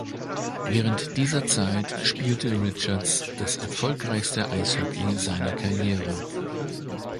Während dieser Zeit spielte Richards das erfolgreichste Eishockey seiner Karriere.